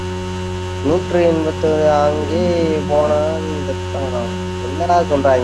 நூற்றி எண்பத்தைந்து அங்கே போனேனோ செத்தேனோ?